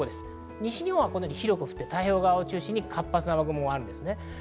西日本は広く降って太平洋側を中心に活発な雨雲があります。